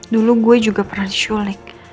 dulu gue juga pernah sholik